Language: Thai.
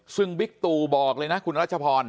ซึ่งบิ๊กตูบอกเลยนะคุณรัชพร